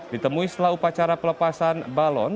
ditemui setelah upacara pelepasan balon